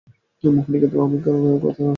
মোহিনীকে তো আমি কত কথা জিজ্ঞাসা করিয়াছি।